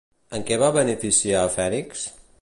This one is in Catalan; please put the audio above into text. En què va beneficiar a Fènix?